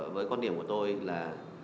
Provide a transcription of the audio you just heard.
với con điểm của tôi là